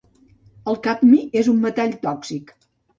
El cadmi és un metall tòxic.